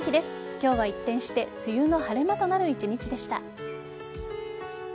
今日は一転して梅雨の晴れ間となる１日でした。